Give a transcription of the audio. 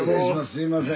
すいません。